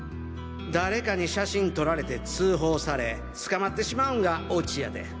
誰かに写真撮られて通報され捕まってしまうんがオチやで。